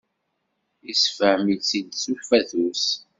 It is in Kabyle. Yessefhem-tt-id s ufatus.